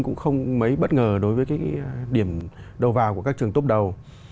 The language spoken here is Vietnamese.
cũng không mấy bất ngờ đối với cái điểm đầu vào của các trường tốt đầu